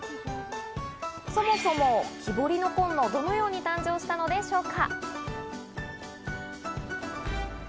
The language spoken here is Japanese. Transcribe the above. そもそも、キボリノコンノ、どのように誕生したのでしょうか？